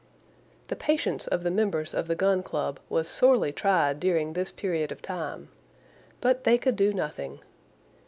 The patience of the members of the Gun Club was sorely tried during this period of time. But they could do nothing.